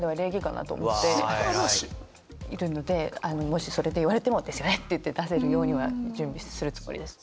もしそれで言われても「ですよね！」って言って出せるようには準備するつもりです。